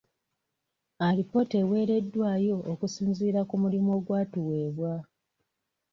Alipoota eweereddwayo okusinziira ku mulimu ogwatuweebwa.